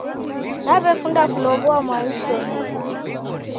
Naw'ekunda kulow'ua mwai ushomie.